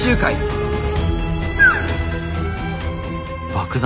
爆弾？